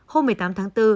hôm một mươi tám tháng bốn